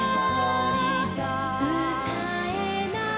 「」「うたえない」「」